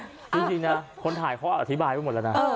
จริงนะคนถ่ายเขาอธิบายไว้หมดแล้วนะ